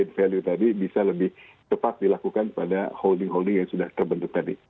jadi value tadi bisa lebih tepat dilakukan pada holding holding yang sudah terbentuk tadi